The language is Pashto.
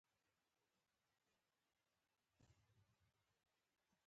چي د الله د وجود او موجودیت په اړه سوال راته پیدا سي